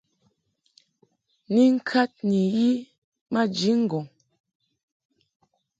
Ni ŋkad ni yi maji ŋgɔŋ.